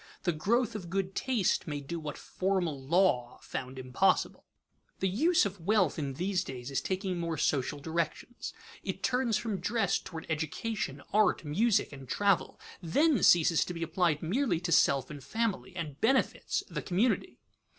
The growth of good taste may do what formal law found impossible. [Sidenote: Increasing social uses of wealth] The use of wealth in these days is taking more social directions. It turns from dress toward education, art, music, and travel; then ceases to be applied merely to self and family, and benefits the community.